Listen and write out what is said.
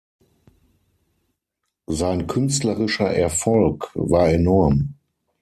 Sein künstlerischer Erfolg war enorm.